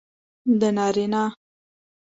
د نارینه